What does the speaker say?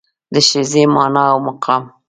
د ښځې مانا او مقام